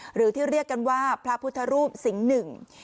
หรือที่เรียกกันว่าพระพุทธรูปสิงห์หนึ่ง